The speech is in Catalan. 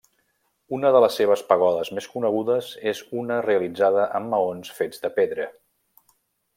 Una de les seves pagodes més conegudes és una realitzada amb maons fets de pedra.